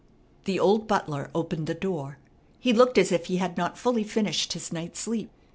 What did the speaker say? The old butler opened the door. He looked as if he had not fully finished his night's sleep.